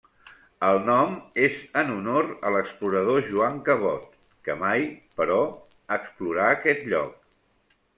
El nom és en honor a l'explorador Joan Cabot, que mai, però, explorà aquest lloc.